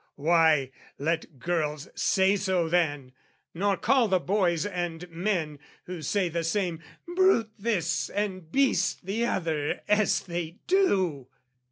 Why, let girls say so then, Nor call the boys and men, who say the same, Brute this and beast the other as they do!